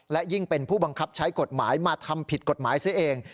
และยิ่งเป็นผู้บังคับใช้กฎหมายมาทำผิดกฎหมายซะเอง